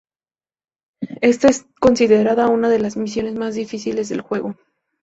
Esta es considerada una de las misiones más difíciles del juego.